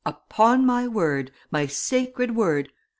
upon my word! my sacred word!